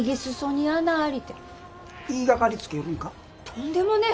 とんでもねえ。